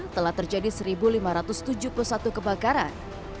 telah terjadi satu lima ratus tujuh puluh satu kebakaran